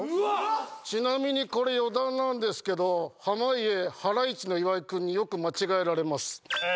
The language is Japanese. ちなみにこれ余談なんですけど濱家ハライチの岩井君によく間違えられますえー